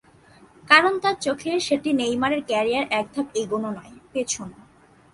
কারণ তাঁর চোখে সেটি নেইমারের ক্যারিয়ারে এক ধাপ এগোনো নয়, পেছানো।